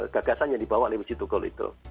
gagasan yang dibawa oleh wujudugul itu